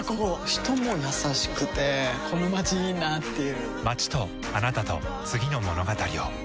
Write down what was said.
人も優しくてこのまちいいなぁっていう